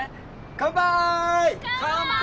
乾杯！